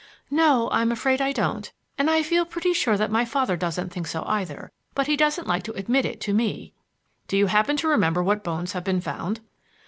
"No, I'm afraid I don't; and I feel pretty sure that my father doesn't think so either, but he doesn't like to admit it to me." "Do you happen to remember what bones have been found?"